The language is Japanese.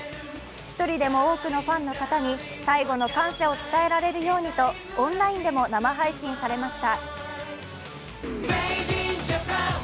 一人でも多くのファンの方に最後の感謝を伝えられるようにとオンラインでも生配信されました。